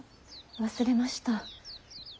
忘れました。